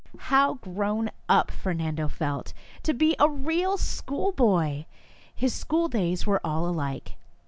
How grown up Fernando felt ! To be a real schoolboy ! His school days were all alike.